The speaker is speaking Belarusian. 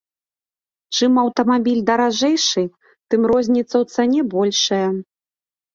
Чым аўтамабіль даражэйшы, тым розніца ў цане большая.